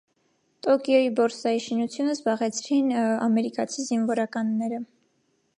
Տոկիոյի բորսայի շինությունը զբաղեցրին ամերիկացի զինվորականները։